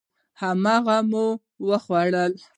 هماغه مو وخوړه.